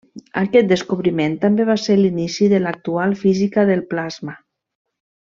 Aquest descobriment també va ser l'inici de l'actual Física del plasma.